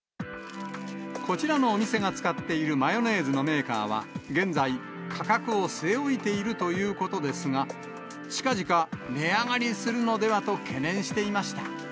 こちらのお店が使っているマヨネーズのメーカーは、現在、価格を据え置いているということですが、近々値上がりするのではと懸念していました。